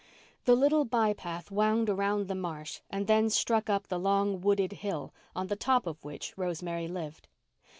The little by path wound around the marsh and then struck up the long wooded hill on the top of which Rosemary lived.